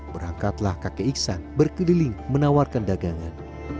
berangkatlah kakek iksan berkeliling menawarkan dagangan